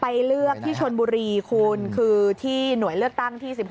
เลือกที่ชนบุรีคุณคือที่หน่วยเลือกตั้งที่๑๖